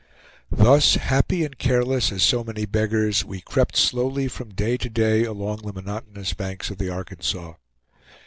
Thus, happy and careless as so many beggars, we crept slowly from day to day along the monotonous banks of the Arkansas.